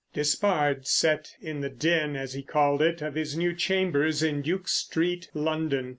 Despard sat in the den, as he called it, of his new chambers in Duke Street, London.